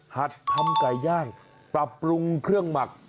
ทำไก่ย่างปรับปรุงเครื่องหมัก